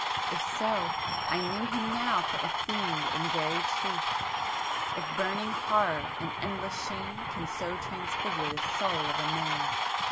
If so, I knew him now for a fiend in very truth!—if burning horror and endless shame can so transfigure the soul of man!